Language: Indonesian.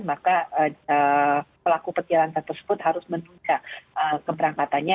maka pelaku petjalanan tersebut harus menunggah keberangkatannya